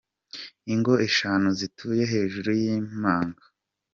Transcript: Ingo eshanu zituye hejuru y’imanga